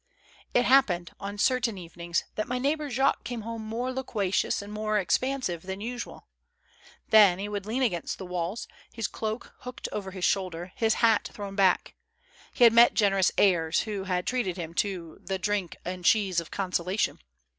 It happened, on certain evenings, that my neigh bor Jacques came home more loquacious and more expansive than usual. Then, he would lean against the walls, his cloak hooked over his shoulder, his hat. thrown back. He had met generous heirs, who had treated him to " the drink and cheese of consolation."